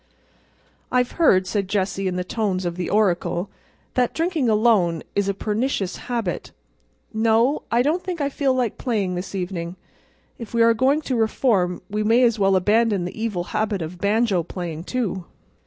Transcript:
"I've heard," said Jessie in the tones of the oracle, "that drinking alone is a pernicious habit. No, I don't think I feel like playing this evening. If we are going to reform we may as well abandon the evil habit of banjo playing, too."